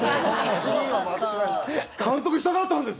「監督したかったんです！」